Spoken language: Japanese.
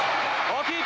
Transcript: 大きい！